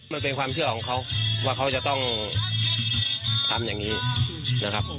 มันเป็นความเชื่อของเขาว่าเขาจะต้องทำอย่างนี้นะครับผม